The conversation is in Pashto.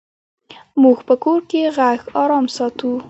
موږ په کور کې غږ آرام ساتو.